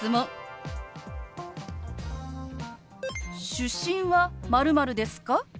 出身は○○ですか？